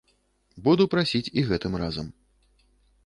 Буду прасіць і гэтым разам.